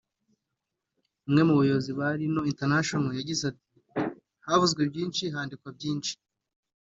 umwe mu bayobozi ba Lino International yagize ati “Havuzwe byinshi handikwa byinshi